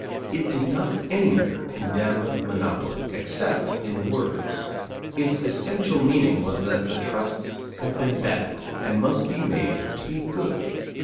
It did not anywhere condemn monopoly, except in words; its essential meaning was that the trusts have been bad and must be made to be good.